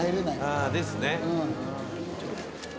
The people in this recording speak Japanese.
ああですね。